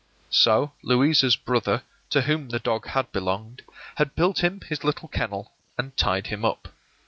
So Louisa's brother, to whom the dog had belonged, had built him his little kennel and tied him up.